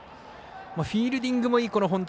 フィールディングもいい本田。